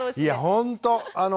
いやほんと。